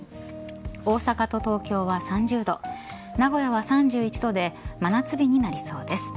大阪と東京は３０度名古屋は３１度で真夏日になりそうです。